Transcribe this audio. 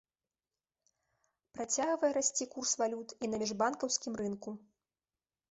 Працягвае расці курс валют і на міжбанкаўскім рынку.